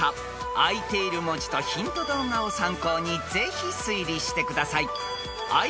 ［あいている文字とヒント動画を参考にぜひ推理してください］